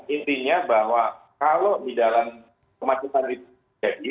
intinya bahwa kalau di dalam kemacetan itu terjadi